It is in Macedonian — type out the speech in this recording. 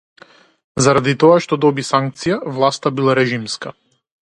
Заради тоа што доби санкција, власта била режимска